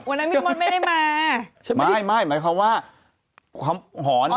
วันนั้นมิดมอลไม่ได้มาใช่ไหมไม่หมายความว่าคำหอนอ๋อ